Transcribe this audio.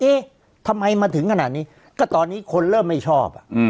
เอ๊ะทำไมมาถึงขนาดนี้ก็ตอนนี้คนเริ่มไม่ชอบ